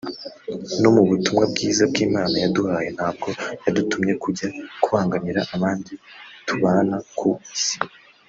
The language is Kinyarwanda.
no mu butumwa bwiza bw’Imana yaduhaye ntabwo yadutumye kujya kubangamira abandi tubana ku Isi